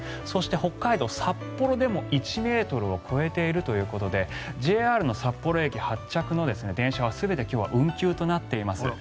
そして北海道・札幌でも１ｍを超えているということでＪＲの札幌駅発着の電車は全て今日は運休となっています。